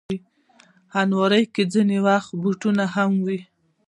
الماري کې ځینې وخت بوټي هم وي